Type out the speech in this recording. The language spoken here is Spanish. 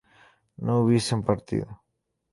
no hubiesen partido